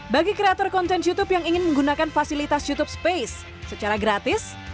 bagi kreator konten youtube yang ingin menggunakan fasilitas youtube space secara gratis